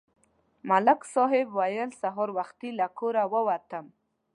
ملک صاحب وویل: سهار وختي له کوره ووتلم